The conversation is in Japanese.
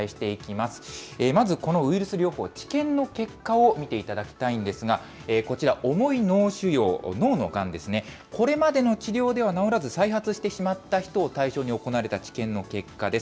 まずこのウイルス療法、治験の結果を見ていただきたいんですが、こちら、重い脳腫瘍、脳のがんですね。これまでの治療では治らず、再発してしまった人を対象に行われた治験の結果です。